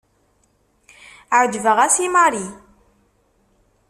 Ɛejbeɣ-as i Marie.